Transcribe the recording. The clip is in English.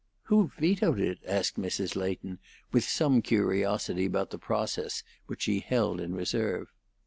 "Who vetoed it?" asked Mrs. Leighton, with some curiosity about the process, which she held in reserve.